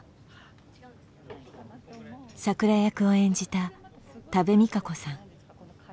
咲良役を演じた多部未華子さん。